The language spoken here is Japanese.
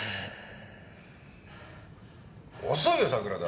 遅いよ桜田！